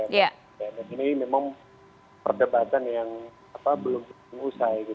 dan ini memang perdebatan yang belum selesai